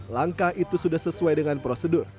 langkah itu sudah sesuai dengan prosedur